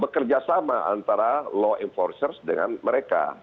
bekerja sama antara law enforcers dengan mereka